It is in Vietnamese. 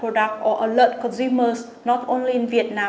hoặc phát triển sản phẩm không chỉ ở việt nam